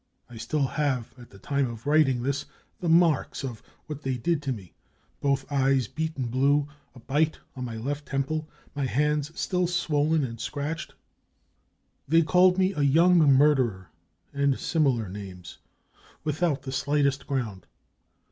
I still have, at the time of writing this, the marks of what they did to me : both eyes beaten blue, a bite on my left temple, my hands still swollen and scratched. They called me a 4 young murderer 5 and similar names, without the slightest ground.